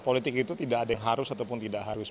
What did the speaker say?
politik itu tidak ada yang harus ataupun tidak harus